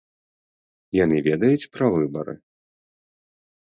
Яны ведаюць пра выбары?